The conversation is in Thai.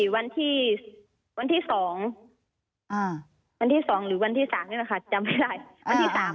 วันที่๒หรือวันที่๓นี่ล่ะคะจำไม่ได้